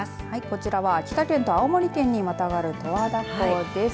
こちらは秋田県と青森県にまたがる十和田湖です。